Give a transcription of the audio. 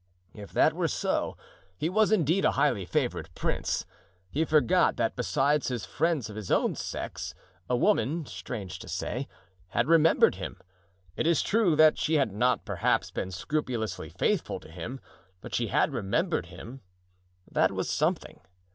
If that were so he was indeed a highly favored prince. He forgot that besides his friends of his own sex, a woman, strange to say, had remembered him. It is true that she had not, perhaps, been scrupulously faithful to him, but she had remembered him; that was something.